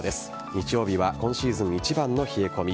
日曜日は今シーズン一番の冷え込み。